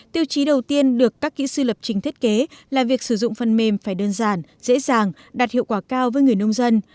tiêu chí đầu tiên được các kỹ sư lập trình thiết kế là việc sử dụng phần mềm phải đơn giản dễ dàng đạt hiệu quả cao với người nông dân